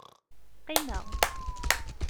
Qqimeɣ.